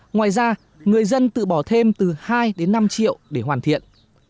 ngoài ra người dân tự bỏ thêm từ hai đến năm triệu để hoàn thiện